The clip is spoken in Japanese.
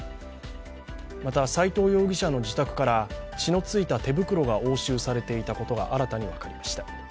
また斉藤容疑者の自宅から血のついた手袋が押収されていたことが新たに分かりました。